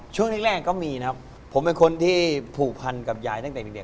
ช่วงแรกก็มีนะครับผมเป็นคนที่ผูกพันกับยายตั้งแต่เด็ก